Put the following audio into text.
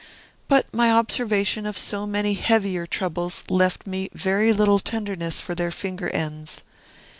But my observation of so many heavier troubles left me very little tenderness for their finger ends.